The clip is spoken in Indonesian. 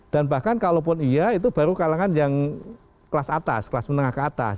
dan bahkan kalau pun iya itu baru kalangan yang kelas atas kelas menengah ke atas